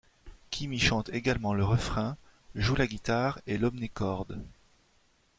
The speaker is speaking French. Kim y chante également le refrain, joue la guitare et l'omnichord.